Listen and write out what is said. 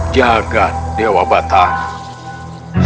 jaga dewa batang